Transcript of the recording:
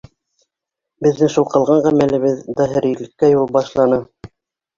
Беҙҙең шул ҡылған ғәмәлебеҙ дәһрилеккә юл башланы!..